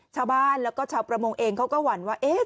ชาวบ้านแล้วก็ชาวประมงเองเขาก็หวั่นว่า